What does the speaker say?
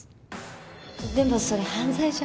でもそれ犯罪じゃ。